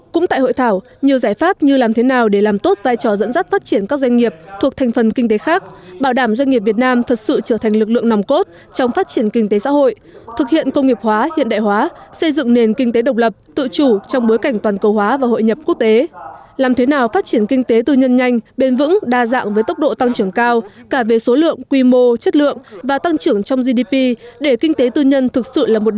cũng tại hội thảo nhiều giải pháp như làm thế nào để làm tốt vai trò dẫn dắt phát triển các doanh nghiệp thuộc thành phần kinh tế khác bảo đảm doanh nghiệp việt nam thật sự trở thành lực lượng nòng cốt trong phát triển kinh tế xã hội thực hiện công nghiệp hóa hiện đại hóa xây dựng nền kinh tế độc lập tự chủ trong bối cảnh toàn cầu hóa và hội nhập quốc tế làm thế nào phát triển kinh tế tư nhân nhanh bền vững đa dạng với tốc độ tăng trưởng cao cả về số lượng quy mô chất lượng và tăng trưởng trong gdp để kinh tế tư nhân thực sự là một